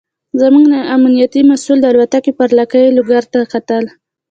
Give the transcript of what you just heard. زموږ امنیتي مسوول د الوتکې پر لکۍ لوګو ته کتل.